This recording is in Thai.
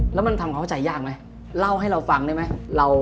แล้วมันทำความเข้าใจยากไหมเล่าให้เราฟังได้ไหม